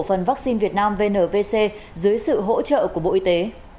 một phần vaccine việt nam vnvc dưới sự hỗ trợ của bộ y tế